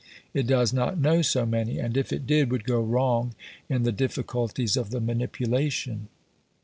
It does not know so many, and if it did, would go wrong in the difficulties of the manipulation.